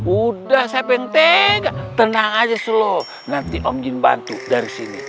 udah saya benteng tenang aja solo nanti om jin bantu dari sini